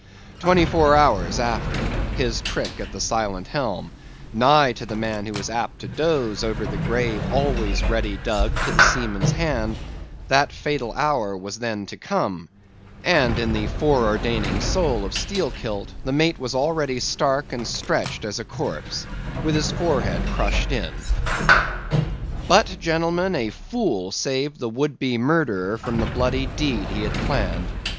Twenty four hours after, his trick at the silent helm—nigh to the man who was apt to doze over the grave always ready dug to the seaman's hand—that fatal hour was then to come; and in the fore ordaining soul of Steelkilt, the mate was already stark and stretched as a corpse, with his forehead crushed in. "But, gentlemen, a fool saved the would be murderer from the bloody deed he had planned.